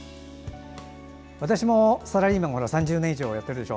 私もサラリーマン３０年以上やってるでしょ。